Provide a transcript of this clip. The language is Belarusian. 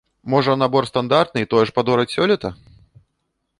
Можа, набор стандартны і тое ж падораць сёлета?